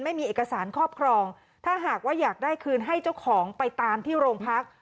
ไม่มีเอกสารครอบครองถ้าหากว่าอยากได้คืนให้เจ้าของไปตามที่โรงพัก